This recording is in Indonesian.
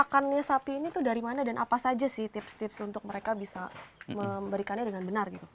makannya sapi ini tuh dari mana dan apa saja sih tips tips untuk mereka bisa memberikannya dengan benar gitu